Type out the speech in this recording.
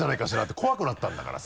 て怖くなったんだからさ。